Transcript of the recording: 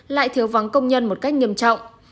lại thiếu vắng công nhân một cách nghiêm trọng